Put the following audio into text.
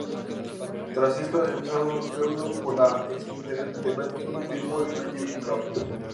Tras esto, empezaron un feudo con la ex-integrante de Beautiful People, Angelina Love.